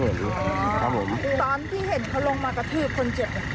ตอนที่เห็นเขาลงมากระทืบคนเจ็บเราเห็นทั้งหมดกี่คน